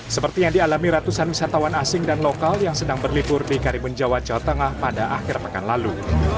seperti yang dialami ratusan wisatawan asing dan lokal yang sedang berlibur di karimun jawa jawa tengah pada akhir pekan lalu